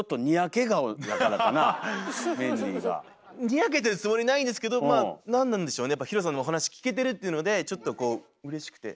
にやけてるつもりないんですけどまあなんなんでしょうねやっぱＨＩＲＯさんのお話聞けてるっていうのでちょっとこううれしくて。